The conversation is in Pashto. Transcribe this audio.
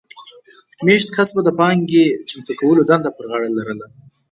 مېشت کس به د پانګې چمتو کولو دنده پر غاړه لرله